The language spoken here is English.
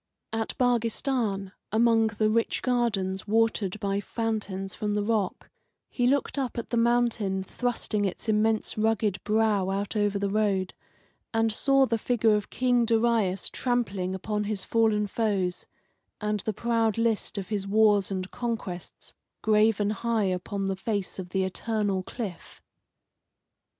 At Baghistan, among the rich gardens watered by fountains from the rock, he looked up at the mountain thrusting its immense rugged brow out over the road, and saw the figure of King Darius trampling upon his fallen foes, and the proud list of his wars and conquests graven high upon the face of the eternal cliff.